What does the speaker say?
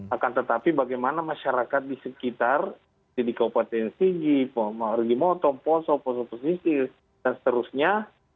akan tetapi bagaimana masyarakat di sekitar didikau potensi di pomar di motong poso poso posisi dan seterusnya